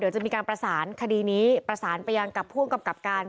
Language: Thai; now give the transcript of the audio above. เดี๋ยวจะมีการประสานคดีนี้ประสานไปยังกับผู้กำกับการ